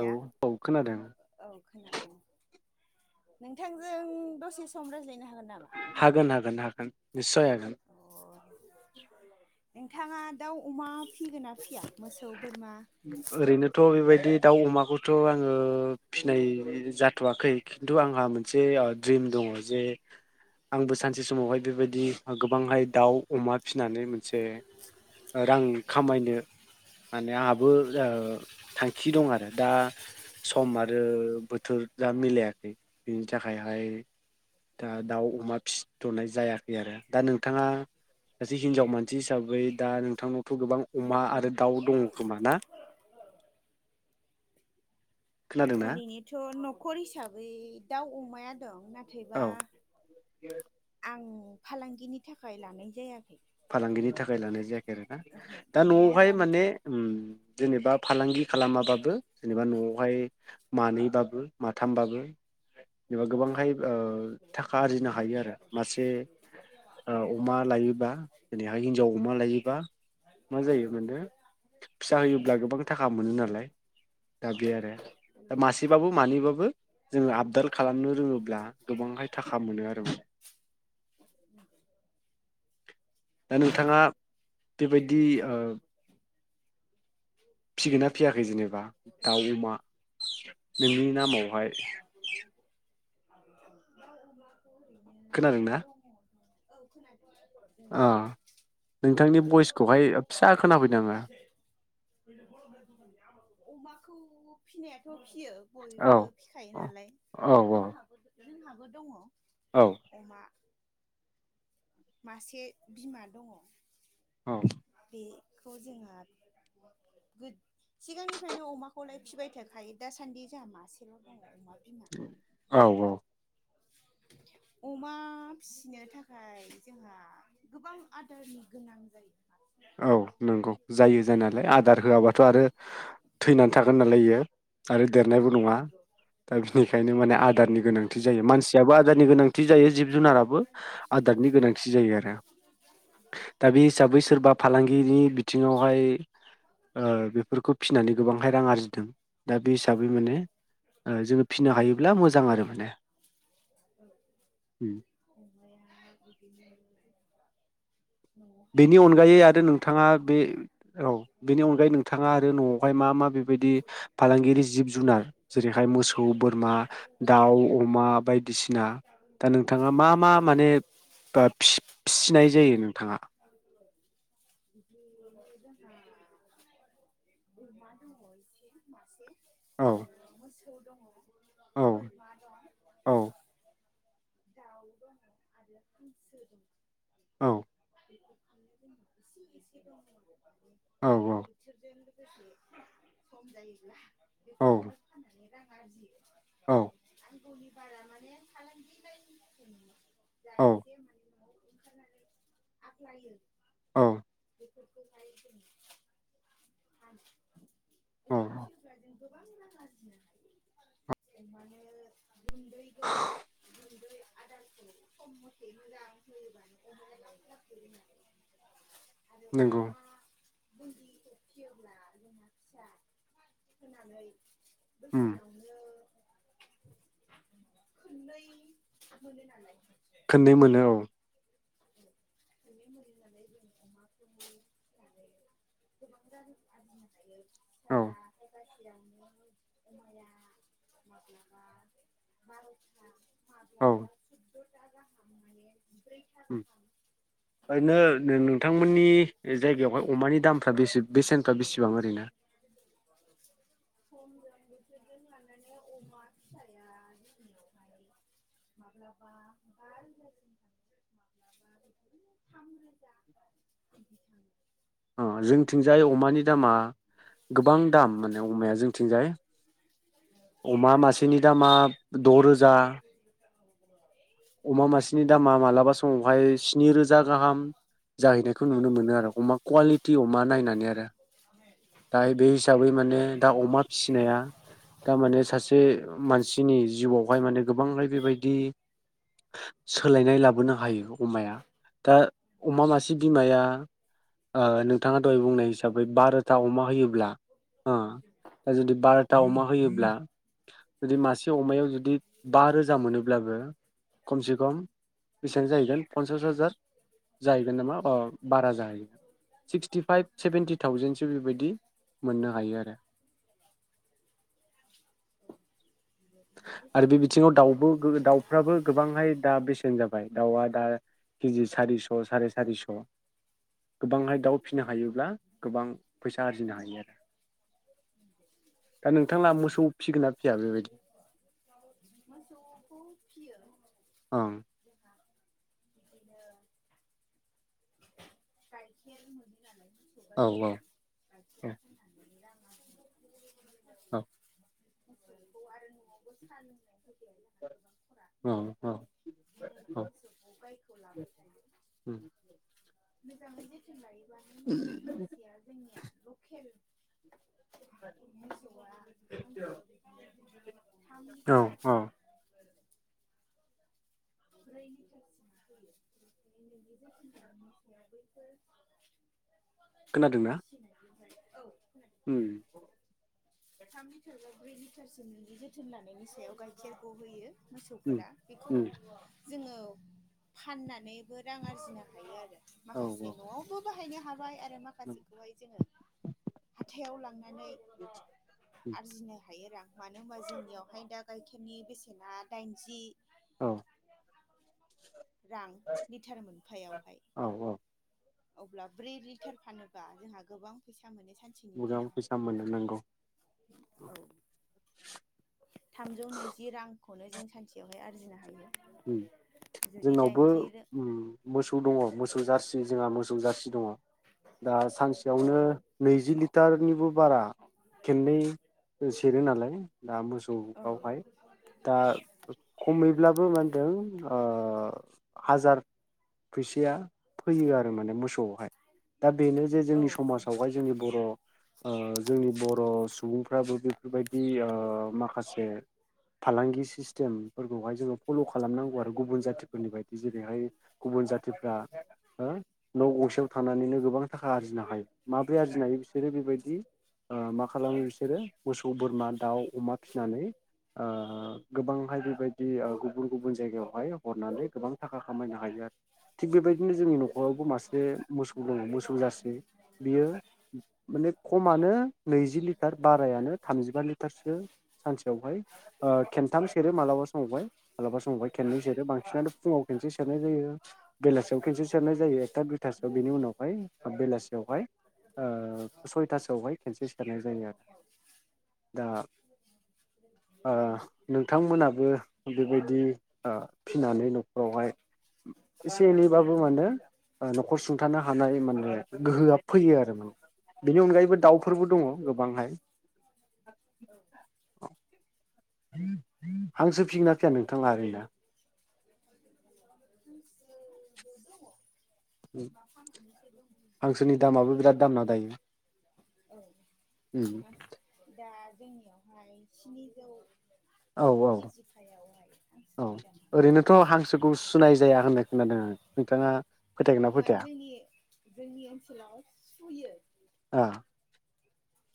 औ औ खोनादों औ खोनादों। नोंथांजों दसे सम रायज्लायनो हाग हागोन हागोन हागोन निसय हागोन। अ नोंथाङा दाव अमा फिगोना फिया मोसौ बोरमा ओरैनोथ' बेबायदि दाउ अमाखौथ'आङो फिनाय जाथ'वाखै खिनथु आंहा मोनसे द्रिम दङ जे आंबो सानसे समावहाय बेबायदि गोबांहाय दाउ अमा फिनानै मोनसे रां खामायनो होननानै आंहा बो ओ थांखि दं आरो दा सम आरो बोथोर दा मिलायाखै बिनि थाखायहाय दा दाउ अमा फिसिथ'नाय जायाखै आरो दा नोंथाङा सासे हिनजाव मानसि हिसाबै दा नोंथांनावथ' गोबां अमा आरो दाउ दङ। खोमा ना? खोनादोंना ओरैनोथ' न' न'खर हिसाबै दाउ अमाया दं औ नाथायबा आं फालांगिनि थाखाय लानाय जाया फालांगिनि थाखाय लानाय जायाखै आरोना ओहो दा न'आव न'आवहाय जानो माने थाखाय उम जेनेबा फालांगि खालामाबाबो जेनेबा न'आवहाय मानैबाबो माथामबाबो जेनेबा गोबांहाय ओ थाखा आरजिनो हायो आरो मासे ओ अमा लायोबा दिनैहाय हिनजाव अमा लायोबा मा जायो मोननो फिसा होयोब्ला गोबां थाखा मोनो नालाय दा बे आरो दा मासेबाबो मानैबाबो जोङो आबदाल खालामनो रोङोब्ला गोबांहाय थाखा मोनो आरो माने दा नोंथाङा बेबायदि ओ फिसिगोनना फियाखै जेनेब बा दाउ अमा नोंनि नामावहाय [unintelligible] खोनादोंना? दङ। औ खोना ओ नोंथांनि भइसखौहाय फिसा खोनाफैदों आङो [unintelligible] अमाखौबो फिसिनायाथ' फिसियो बयबो आङो फिसिखायो औ नालाय औ जोंहाबो जोंहाबो दङ' औ अमा मासे बिमा दङ' औ बेखौ जोंहा सिगांनिफ्रायनो अमाखौलाय फिसिबाय थाखायो दासान्दि जोंहा मासेल' दङ' बिमा औ औ अमा फिसिनो थाखाय जोंहा गोबां आदारनि गोनां जायो औ नंगौ जायो जायानायालाय आदार होआबाथ' आरो थैना थागोन नालाय इयो। आरो देरनायबो नङा दा बिनिखायनो माने आदारनि गोनांथि जायो मानसियाबो आदारनि गोनांथि जायो जिब जुनाराबो आदारनि गोनांथि जायो आरो दा बे हिसाबै सोरबाब गिनि बिथिङावहाय। ओ बेफोरखौ फिसिनानै गोबांहाय रां आरजिदों दा बि हिसाबै माने ओ जोङो फिसिनो हायोब्ला मोजां आरो माने उम अमाया बिदिनो न'आवहाय बेनि एसे अनगायै आरो माइ नोंथाङा दङ बे नालाय औ बेनि अनगायै नोंथाङा आरो न'आवहाय मा मा बेबायदि फालांगिरि जिब जुनार जेरैहाय मोसौ बोरमा दाउ अमा बायदिसिना दा नोंथाङा मा मा माने ओ फिस-फिसिनाय जायो नोंथाङा। [unintelligible] औ आरो मोसौ दङ'। औ बोरमा दं। [inaudible] [inaudible] औ सम जायोबोला औ औ औ बेफोरखौनो फानानै रां आरजियो। औ आंगौनि बारा माने फालांगि [unintelligible] जा औ एसे [unintelligible] ओंखारनानै आग्लायो औ बेफोरखौ [unintelligible] अमा औ फियोब्ला जों गोबां रां आरजिनो हायो। अमानो गुन्दैखौ [inaudible] गुन्दै आदारखौ सम‌ मथे होना होबानो अमाया थाब [unintelligible] आरो। आरो नंगौ अमा बुन्दि फियोब्ला जोंहा फिसा होनानै उम बोसोरावनो खोन्नै मोनो नालाय। खोन्नै मोनो औ। खोन्नै मोनो‌ नालाय जों अमाखौ फिनानै गोबां रां आरजिनो‌ हायो। फिसा औ [unintelligible] अमाया माब्लाबा बार'था औ माब्लाबा चुद्द'था गा माने जिब्रैथा उम गाहाम ओरैनो नों-नोंथांमोननि जायगायावहाय अमानि दामफ्रा बेसे-बेसेनफ्रा बे सेबां ओरैनो? समजों बोथोरजों लानानै अमा फिसाया जोंनियाव हाय मब्लाबा बा रोजासिम थाङो माब्लाबा थाम रोजा बिदि थाङो। अ आरो जोंथिंजाय बे अमानि दामा गोबां दाम माने अमाया जोंथिंजाय। अमा मासेनि दामा द' रोजा अमा मासेनि दामा मालाबा समावहाय स्नि रोजा गाहाम जाहैनायखौ नुनो मोनो आरो अमा क्वालिटि अमा नायनानै आरो। दायो बे हिसाबै माने दा अमा फिसिनाया दा माने सासे मानसिनि जिउआवहाय माने गोबांहाय बेबायदि सोलायनाय लाबोनो हायो अमाया। दा अमा मासे बिमाया ओ नोंथाङा दहाय बुंनाय हिसाबै बा रो था अमा होयो ब्ला ओ दा जुदि बारोथा अमा होयोब्ला जुदि मासे अमायाव जुदि बा रोजा मोनोब्लाबो खमसे खम बिसां जाहैगोन पन्सास हाजार जाहैगोन नामा अ बारा जाहैयो सिक्सटि फाइभ सेभेन्टि थाउजेन्ड सो बेबायदि मोननो हायो आरो। आरो बे बिथिङाव दाउबो गो दाउफ्राबो गोबांहाय दा बेसेन जाबा य दाउआ दा कि जि सारिस' साराय सारिस'। गोबांहाय दाउ फिनो हायोब्ला गोबां फैसा आरजिनो हायो आरो। दा नोंथांआ मोसौ फिगोना फिया बेबायदि? मोसौखौ फियो। ओं औ औ ए [inaudible] [inaudible] [inaudible] [inaudible] आरजियो औ [inaudible] औ औ औ [inaudible] उम [inaudible] मोसौ मासेया जोंनिया [inaudible] [inaudible] औ औ [inaudible] [inaudible] [inaudible] खोनादोंना? फिसिनायनिफ्राय औ उम थाम लिटार बा ब्रै लिटारसिम जोथोन लानायनि सायाव गाइखेरखौ होयो उम मोसौफोरा बेखौ उम जोङो फाननानैबो रां आरजिनो हायो आरो। औ माखासे न'आवबो बाहायनो हाबाय आ फाय नंगौ माखासेखौहाय जोङो हाथायाव लां नानै उम आरजिनो हायो रां। मानो होनबा जोंनियावहाय दा गाइखेरनि बेसेना दाइनजि औ रां लिटार मोनफायावहाय औ औ अब्ला ब्रै लिटार फानोबा जोंहा गोबां फैसा थामोननि सेनि गोबां दिनाहा फैसा मोनो नांगौ औ थामजौ नैजि रां खौनो जों सानसेयावहाय आरजिनो हायो उम जुदि जोंनावबो दाइनजि उम मोसौ दङ मोसौ जारसि जोंहा मोस सौ जासि दङ दा औ सानसेयावनो नैजि लिटारनिबो बारा खननै सेरो नालाय दा मोसौ औ आवहाय दा खमैब्लाबो माने ओ हाजार फैसाया फैयो आरो माने मोसौआवहाय दा बेनो जे औ जोंनि दे समाजावहाय जोंनि बर' ओ जोंनि बर' सुबुंफ्राबो बेफोरबायदि ओ माखासे फालांगि सिस्टेम फोरखौहाय जोङो फल' ख खालामनांगौ आरो गुबुन जाथिफोरनि बायदि जेरैहाय गुबुन जाथिफ्रा हो न' गंसेयाव थानानैनो गोबां थाखा आरजिनो हायो माब्रै आरजिनो हायो बिसोरो बेबायदि ओ मा खालामो बिसोरो मोसौ बोरमा दाउ अमा फिनानै ओ गोबांहाय बेबायदि ओ गुबुन गुबुन जायगायावहाय हरनानै गोबां थाखा खामायनो हायो आरो थिग बेबायदिनो जोंनि न'खरावबो मासे मोसौ दङ मोसौ जासे बियो माने खमानो नैजि लिटार बारायानो थामजिबा लिटारसो सानसेयावहाय ओ खन्थाम सेरो मालाबा समावहाय मालाबा समावबा खनै बांसिनानो फुङाव खनसे सेरनाय जायो बेलासियाव खनसे सेरनाय जायो एकथा दुइथासोआव बिनि उनावहाय बेलासियावहाय ओ सयथासोआवहाय खनसे सेरनाय जायो आरो दा ओ नोंथांमोनाबो बिदि ओ फिनानै न'खरावहाय एसे एनैबाबो मानो न'खर सुंथानो हानाय माने गोहोआ फैयो आरो माने बेनि अनगायैबो दाउफोरबो दङ गोबांहाय हांसो फिना फैया नोंथां आगैया हांसो दंङं हांसोनि दामाबो बिराद दामना दायो उम [unintelligible] औ दा जोंनियावहाय स्निजौ औ औ केजि फाइवहाय हांसोनि दामा थ' हांसोखौ सुनाय जाया होननाय खोनादों आं नोंथाङा फोथायगोन ना नङा फोथाया जोंनि जोंनि ओनसोलाव सुयो ओ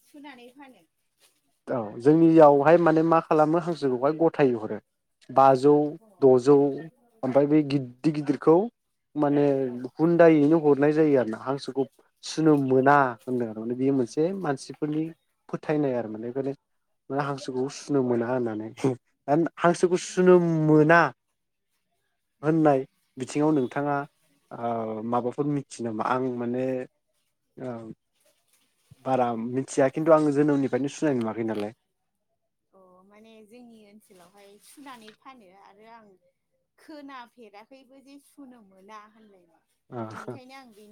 सुनानै फानो औ जोंनियावहाय माने मा खालामो हांसोखौहाय गथाय हरो बाजौ अ द'जौ ओमफ्राय बे गिदिर गिदिरखौ खौ माने औ हुन्दायैनो हरनाय जायो आरो ना हांसोखौ सुनो मोना होदों आरो माने बेयो मोनसे मानसिफोरनि फोथायनाय आरो [unintelligible] [unintelligible] हांसोखौ आं सुनो दिनैसिम मोना होननाय बिथिङाव नोंथाङा [unintelligible] [unintelligible] आं माने [unintelligible] बारा मिथिया खिन्थु आं जोनोमनिफ्रायनो सुनाय नुवाखै नालाय अ माने जोंनि ओनसोलावहाय सुनानै फानो आरो आं खोनाफेराखैबो जे सुनो मोना होनलायनाय ओ बेनिखायनो आं [unintelligible] बे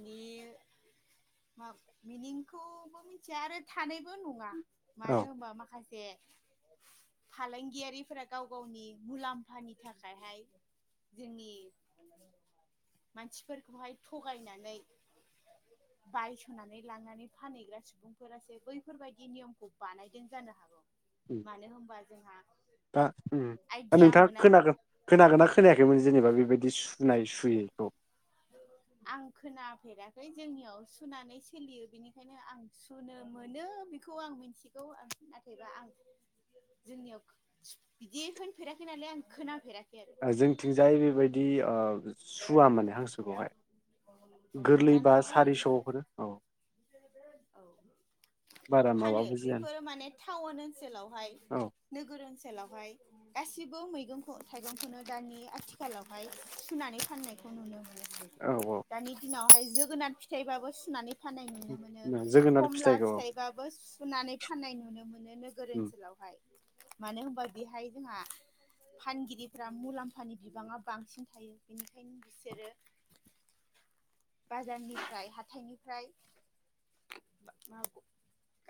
मा मिनिंखौबो मिथिया आरो थानायबो नङा औ मानो होनबा माखासे दे फालांगियारिफोरा गाव गावनि मुलाम्फानि थाखायहाय जोंनि मानसिफोरखौहाय थगायनानै बायस'नानै लानानै फानहैग्रा सुबुंफोरासो बैफोरबायदि नियमखौ बानायदों जानो हागौ [inaudible] [inaudible] दा ओम आइडिया नोंथाङा मोना खोनागोनना खोनायाखैमोन जेनेबा बेबायदि सुनाय सुयैखौ आं खोनाफेराखै जोंनियाव सुनानै सोलियो बेनिखायनो आं सुनो मोनो बेखौ आं मिथिगौ नाथायबा आं जोंनियाव बिदि होनफेराखै नालाय आं खोनाफेराखै आरो जोंथिंजाय बेबायदि ओ सुवा माने हांसोखौहाय जानो गोरलैबा हागौ नै सारिस' हरो औ बारा फानो माबाबो जायानो बेफोरो माने टाउन ओनसोलावहाय औ नोगोर ओनसोलआव गासिबो मैगंखौ थाइगंखौनो दानि आथिखालावहाय सुनानै फाननायखौ नुनो मोनो औ औ दानि दिनावहाय जोगोनार फिथाइबाबो सुनानै फानाय नुनो मोनो जोगोनार खमला फिथाइखौ औ फिथाइबाबो फुनानै फाननाय नुनो मोनो नोगोर उम ओनसोलावहाय मानो होनबा बेहाय जोंहा फानगिरिफ्रा मुलाम्फानि बिबाङा बांसिन थायो बेनिखायनो बिसोरो बाजारनिफ्राय हाथथायनिफ्राय मा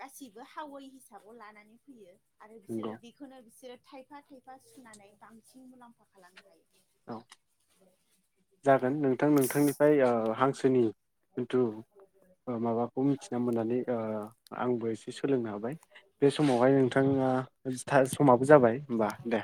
गासिबो हावै हिसाबाव लानानै फैयो आरो बिसोरो नंगौ बिखौनो बिसोर थायफा थायफा सुनानै बांसिन मुलाम्फा खालाम जायो औ जागोन नों नोंथां नोंथांनिफ्राय ओ हांसोनि जिथु माबाखौ मिथिना मोननानै ओ आंबो एसे सोलोंनो हाबाय बे समावहाय नोंथाङा समाबो जाबाय होमबा दे